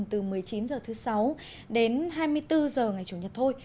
từ một mươi chín h thứ sáu đến hai mươi bốn h ngày chủ nhật thôi